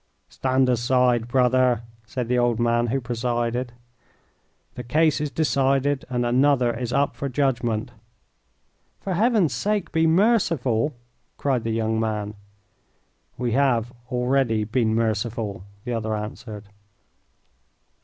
"Stand aside, brother," said the old man who presided. "The case is decided and another is up for judgment." "For Heaven's sake be merciful!" cried the young man. "We have already been merciful," the other answered.